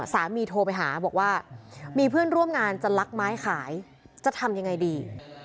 โทรไปหาบอกว่ามีเพื่อนร่วมงานจะลักไม้ขายจะทำยังไงดี